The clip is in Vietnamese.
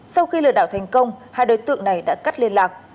sau khi lừa đảo thành công hai đối tượng này đã cắt liên lạc